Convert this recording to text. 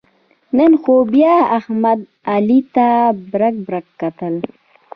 نن خو بیا احمد علي ته برگ برگ کتل.